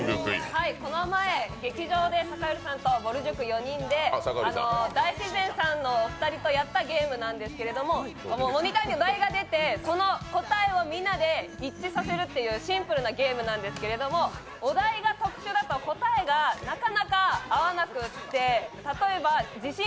この前、劇場で酒寄さんとぼる塾４人で大自然さんのお二人とやったゲームなんですけど、モニターにお題が出て、その答えをみんなで一致させるっていうシンプルなゲームなんですけどお題が特殊だと答えがなかなか合わなくて。